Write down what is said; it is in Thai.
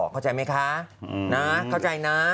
เข้าใจไหมคะนะเข้าใจนะ